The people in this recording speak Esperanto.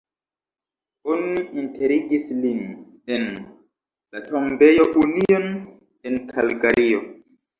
Oni enterigis lin en la Tombejo Union en Kalgario.